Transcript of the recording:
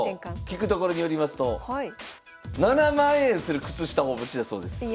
聞くところによりますと７万円する靴下をお持ちだそうです。